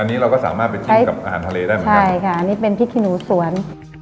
อันนี้เราก็สามารถไปชิมกับอาหารทะเลได้เหมือนกันใช่ค่ะอันนี้เป็นพริกขี้หนูสวน